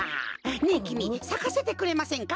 ねえきみさかせてくれませんか？